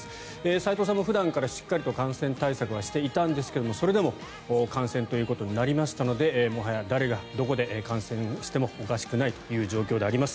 斎藤さんも普段からしっかりと感染対策はしていたんですがそれでも感染ということになりましたのでもはや誰がどこで感染してもおかしくないという状況であります。